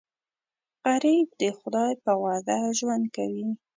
غریب د خدای په وعده ژوند کوي